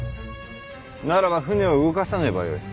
ならば船を動かさねばよい。